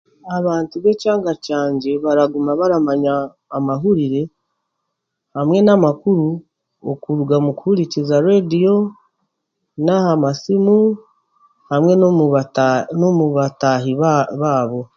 abantu b'ekyanga kyangye baraguma baramanya amahurire hamwe n'amakuru omu kuhurikiza reediyo n'aha masiimu hamwe n'omu bata n'omu bataahi baabo